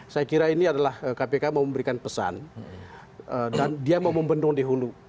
saya kira ini adalah kpk mau memberikan pesan dan dia mau membendung di hulu